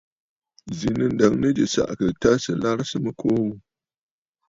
Zǐ nɨ̂ ǹdəŋnə jì sàʼàkə̀ tâ sɨ̀ larɨsə mɨkuu mya ghu.